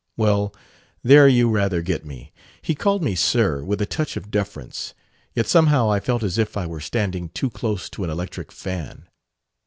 "Well, there you rather get me. He called me 'sir,' with a touch of deference; yet somehow I felt as if I were standing too close to an electric fan."